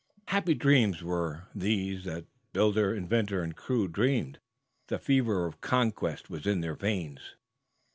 Happy dreams were these that builder, inventor and crew dreamed! The fever of conquest was in their veins.